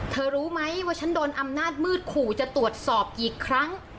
รู้ไหมว่าฉันโดนอำนาจมืดขู่จะตรวจสอบกี่ครั้ง